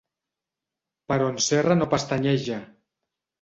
Però en Serra no pestanyeja.